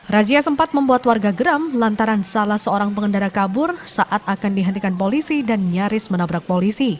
razia sempat membuat warga geram lantaran salah seorang pengendara kabur saat akan dihentikan polisi dan nyaris menabrak polisi